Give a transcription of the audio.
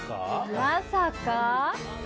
まさか？